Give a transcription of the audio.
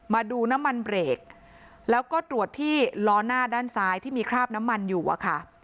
มาดูน้ำมันเบรกแล้วก็ตรวจที่ล้อหน้าด้านซ้ายที่มีคราบน้ำมันอยู่อะค่ะ